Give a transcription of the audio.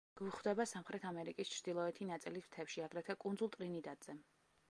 გვხვდება სამხრეთ ამერიკის ჩრდილოეთი ნაწილის მთებში, აგრეთვე კუნძულ ტრინიდადზე.